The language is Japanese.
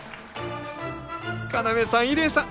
要さん伊礼さん